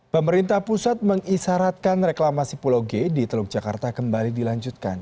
pemerintah pusat mengisaratkan reklamasi pulau g di teluk jakarta kembali dilanjutkan